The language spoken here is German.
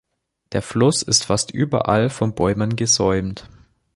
Der Fluss ist fast überall von Bäumen gesäumt.